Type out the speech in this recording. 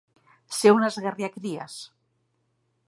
Ser un esgarriacries.